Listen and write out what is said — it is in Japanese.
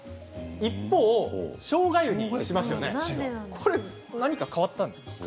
一方、しょうが湯何が、変わったんですか。